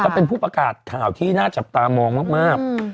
เป็นผู้ประกาศข่าวที่น่าจับตามองมาก